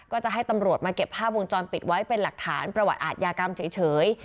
ก็จะให้ตำรวจมาเก็บภาพวงจรปิดไว้เป็นหลักฐานประวัติอาทยากรรมเฉย